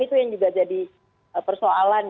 itu yang juga jadi persoalan